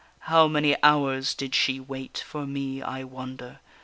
How many hours did she wait For me, I wonder?